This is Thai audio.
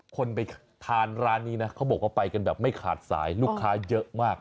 คนไปทานร้านนี้นะเขาบอกว่าไปกันแบบไม่ขาดสายลูกค้าเยอะมาก